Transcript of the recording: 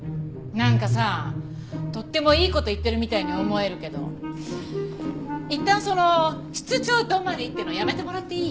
なんかさとってもいい事言ってるみたいに思えるけどいったんその「室長止まり」っていうのやめてもらっていい？